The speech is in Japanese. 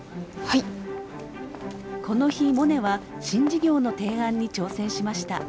この日モネは新事業の提案に挑戦しました。